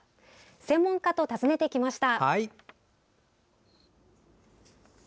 専門家と訪ねてきました。